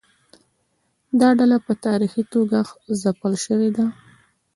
دا ډله په تاریخي توګه ځپل شوې ده.